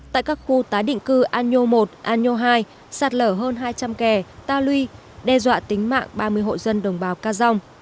tại các khu tái định cư an nho một an nho hai sạt lờ hơn hai trăm linh kè ta lui đe dọa tính mạng ba mươi hội dân đồng bào ca rong